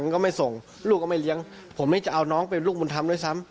ก็ไม่ส่งลูกก็ไม่เลี้ยงผมไม่จะเอาน้องเป็นลูกบุญธรรมด้วยซ้ำ